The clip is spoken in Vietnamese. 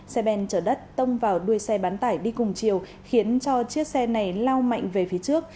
xe ben chở đất tông vào đuôi xe bán tải đi cùng chiều khiến cho chiếc xe này lao mạnh về phía trước